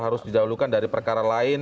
harus didahulukan dari perkara lain